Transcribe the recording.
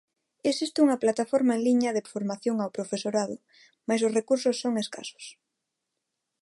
Existe unha plataforma en liña de formación ao profesorado, mais os recursos son escasos.